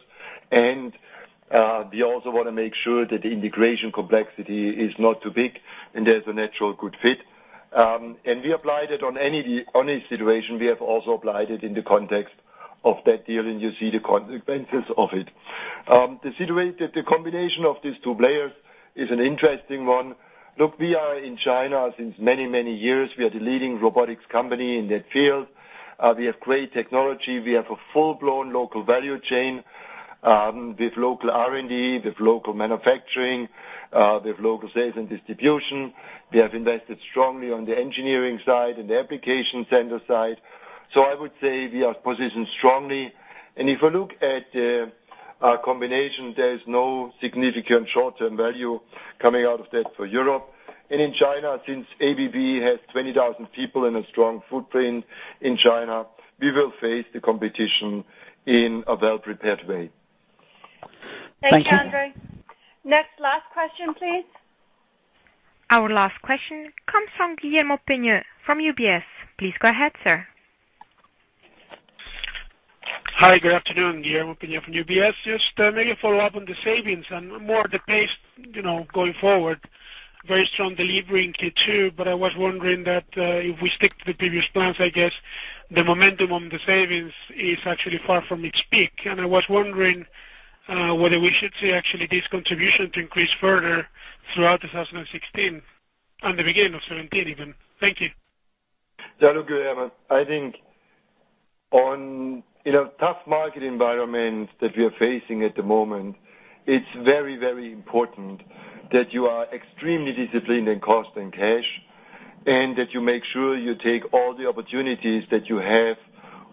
We also want to make sure that the integration complexity is not too big and there's a natural good fit. We applied it on any situation, we have also applied it in the context of that deal, and you see the consequences of it. The combination of these two players is an interesting one. Look, we are in China since many years. We are the leading robotics company in that field. We have great technology. We have a full-blown local value chain with local R&D, with local manufacturing, with local sales and distribution. We have invested strongly on the engineering side and the application center side. I would say we are positioned strongly. If you look at our combination, there is no significant short-term value coming out of that for Europe. In China, since ABB has 20,000 people and a strong footprint in China, we will face the competition in a well-prepared way. Thank you. Thanks, Andre. Next, last question, please. Our last question comes from Guillermo Peigneux-Lojo from UBS. Please go ahead, sir. Hi, good afternoon. Guillermo Peigneux-Lojo from UBS. Just maybe a follow-up on the savings and more the pace going forward. Very strong delivery in Q2, but I was wondering that if we stick to the previous plans, I guess the momentum on the savings is actually far from its peak. I was wondering whether we should see actually this contribution to increase further throughout 2016 and the beginning of 2017, even. Thank you. Yeah, look, Guillermo, I think in a tough market environment that we are facing at the moment, it's very important that you are extremely disciplined in cost and cash, and that you make sure you take all the opportunities that you have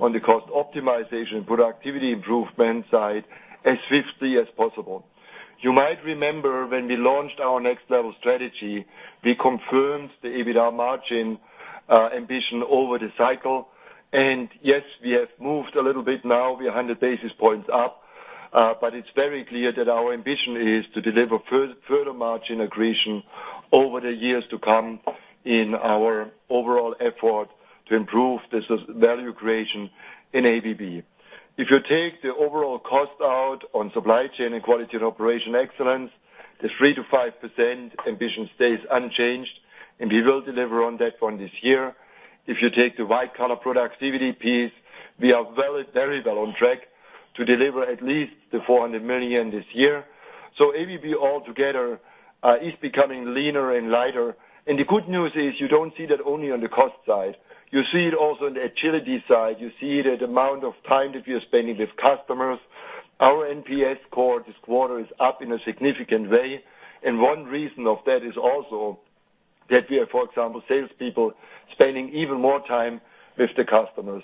on the cost optimization, productivity improvement side as swiftly as possible. You might remember when we launched our Next Level strategy, we confirmed the EBITDA margin ambition over the cycle. Yes, we have moved a little bit now, we are 100 basis points up, but it's very clear that our ambition is to deliver further margin accretion over the years to come in our overall effort to improve this value creation in ABB. If you take the overall cost out on supply chain and quality and operation excellence, the 3%-5% ambition stays unchanged, and we will deliver on that one this year. If you take the white-collar productivity piece, we are very well on track to deliver at least the $400 million this year. ABB all together is becoming leaner and lighter. The good news is you don't see that only on the cost side. You see it also on the agility side. You see it at the amount of time that we are spending with customers. Our NPS score this quarter is up in a significant way, and one reason of that is also that we have, for example, salespeople spending even more time with the customers.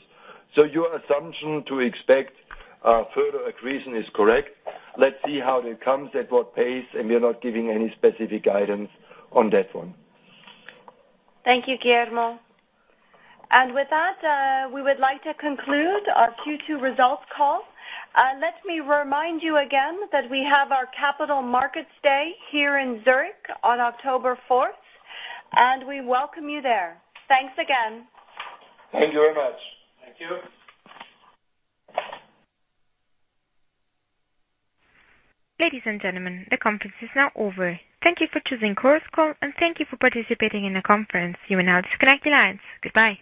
Your assumption to expect further accretion is correct. Let's see how that comes, at what pace, and we are not giving any specific guidance on that one. Thank you, Guillermo. With that, we would like to conclude our Q2 results call. Let me remind you again that we have our Capital Markets Day here in Zurich on October 4th, and we welcome you there. Thanks again. Thank you very much. Thank you. Ladies and gentlemen, the conference is now over. Thank you for choosing Chorus Call, and thank you for participating in the conference. You will now disconnect your lines. Goodbye.